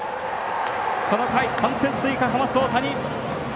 この回、３点追加、小松大谷。